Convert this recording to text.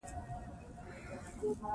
دلته هم د جاوېد صېب پۀ بې علمۍ